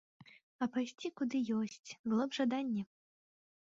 А пайсці куды ёсць, было б жаданне!